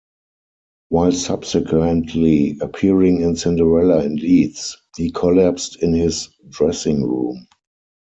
While subsequently appearing in "Cinderella" in Leeds, he collapsed in his dressing room.